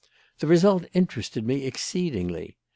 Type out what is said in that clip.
The result interested me exceedingly.